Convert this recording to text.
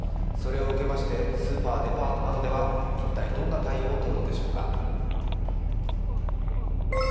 それを受けましてスーパー、デパートなどでは一体、どんな対応をとるのでしょうか。